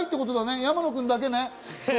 山野君だけね。